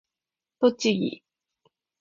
栃木